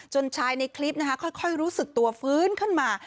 ชายในคลิปนะคะค่อยรู้สึกตัวฟื้นขึ้นมา